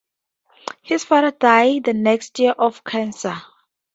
His father died the next year of cancer.